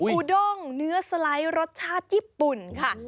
ูด้งเนื้อสไลด์รสชาติญี่ปุ่นค่ะ